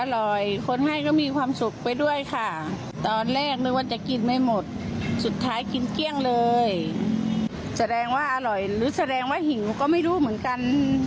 อร่อยหรือแสดงว่าหิวก็ไม่รู้เหมือนกัน